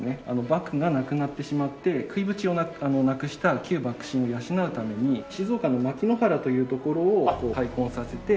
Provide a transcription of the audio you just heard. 幕府がなくなってしまって食い扶持をなくした旧幕臣を養うために静岡の牧之原という所を開墾させて。